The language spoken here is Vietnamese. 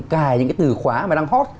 cài những cái từ khóa mà đang hot